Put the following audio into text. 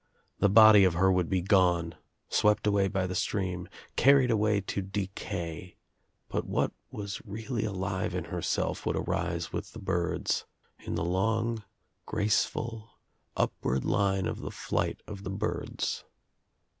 The body of her would be gone, swept away by the stream, carried away to decay but what was really alive in herself would arise with the birds, in the long graceful upward line of the flight of the birds.